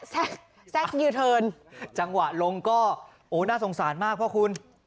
แซ็คแซ็คจังหวะลงก็โอ้โหน่าสงสารมากเพราะคุณ